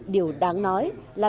điều đáng nói là